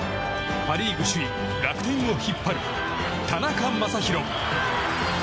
パ・リーグ首位、楽天を引っ張る田中将大。